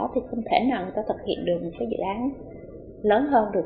thì không thể nào người ta thực hiện được một cái dự án lớn hơn được